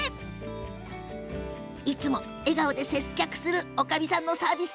いつも笑顔で接客するおかみさんのサービス